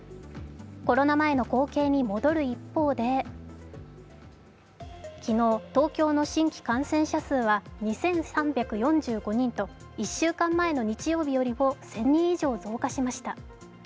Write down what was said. コロナ前の光景に戻る一方で昨日、東京の新規感染者数は２３４５人と１週間前の日曜日よりも１０００人以上増加しました。